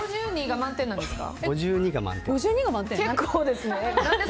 ５２が満点なんですか？